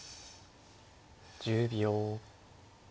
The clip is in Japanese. １０秒。